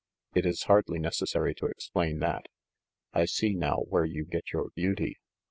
"It is hardly necessary to explain that. I see now where you get your beauty."